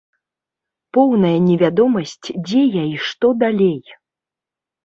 Поўная невядомасць, дзе я і што далей.